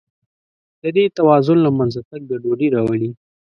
د دې توازن له منځه تګ ګډوډي راولي.